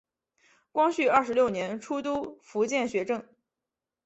光绪二十六年出督福建学政。